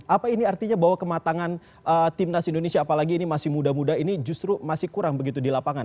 apa ini artinya bahwa kematangan timnas indonesia apalagi ini masih muda muda ini justru masih kurang begitu di lapangan